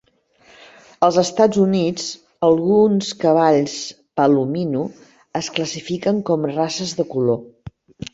Als Estats Units, alguns cavalls palomino es classifiquen com races de color.